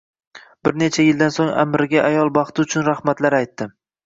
Bir necha yildan soʻng amirga ayol baxti uchun rahmatlar aytdi.